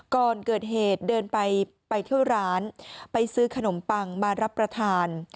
ก่อนเกิดเหตุเดินไปเที่ยวร้านไปซื้อขนมปังมารับประทาน